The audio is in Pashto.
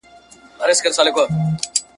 د پوهني رياست چارواکو په کښي ګډون کړی وو.